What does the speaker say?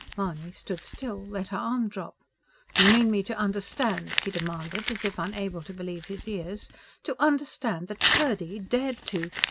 Mahony stood still; let her arm drop. "Do you mean me to understand," he demanded, as if unable to believe his ears: "to understand that Purdy... dared to...